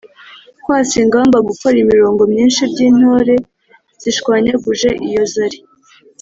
kwasa ingamba: gukora imirongo myinshi by’intore zishwanyaguje iyo zari